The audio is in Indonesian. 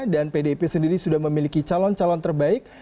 dan pdip sendiri sudah memiliki calon calon terbaik